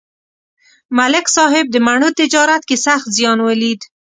ملک صاحب د مڼو تجارت کې سخت زیان ولید